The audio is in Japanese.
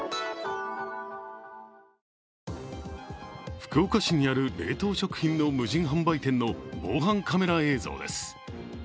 福岡市にある冷凍食品の無人販売店の防犯カメラ映像です。